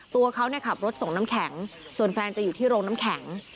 ตัวเขาขับรถส่งน้ำแข็งส่วนแฟนจะอยู่ที่โรงน้ำแข็ง